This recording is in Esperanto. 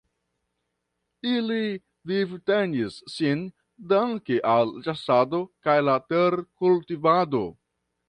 Ili vivtenis sin danke al ĉasado kaj la terkultivado.